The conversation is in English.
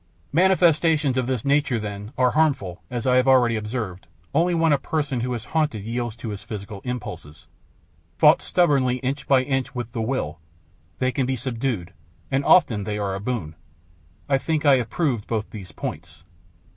Manifestations of this nature, then, are harmful, as I have already observed, only when the person who is haunted yields to his physical impulses. Fought stubbornly inch by inch with the will, they can be subdued, and often they are a boon. I think I have proved both these points.